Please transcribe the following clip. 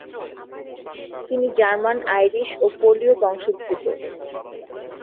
তিনি German, Irish, ও পোলীয় বংশোদ্ভূত।